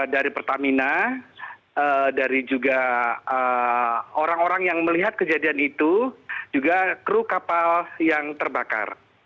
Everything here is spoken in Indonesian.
dari pertamina dari juga orang orang yang melihat kejadian itu juga kru kapal yang terbakar